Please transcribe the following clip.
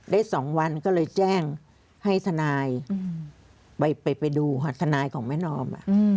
ได้สองวันก็เลยแจ้งให้ทนายไปดูทนายของแม่นอม